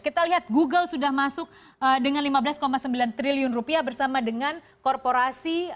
kita lihat google sudah masuk dengan lima belas sembilan triliun rupiah bersama dengan korporasi